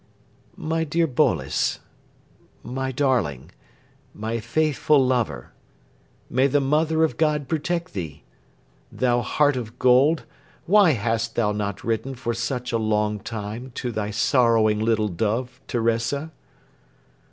"My dear Boles ... my darling ... my faithful lover. May the Mother of God protect thee! Thou heart of gold, why hast thou not written for such a long time to thy sorrowing little dove, Teresa?"